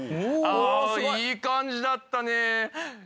あいい感じだったね。